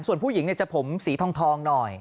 ส่วนผู้หญิงจะผมสีทองหน่อย